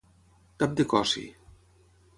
Tap de cossi.